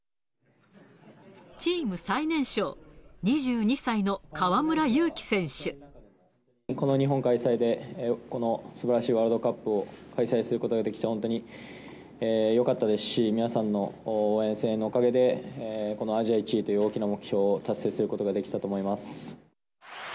チーム最年少、この日本開催で、このすばらしいワールドカップを開催することができて、本当によかったですし、皆さんの応援、声援のおかげで、このアジア１位という大きな目標を達成することができたと思います。